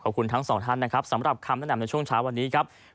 ขอบคุณทั้งสองท่านสำหรับคำแนะนำในช่วงเช้าวันนี้